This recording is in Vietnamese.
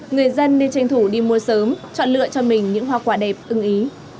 người dân nên tranh thủ đi mua sớm chọn lựa cho mình những hoa quả đẹp ưng ý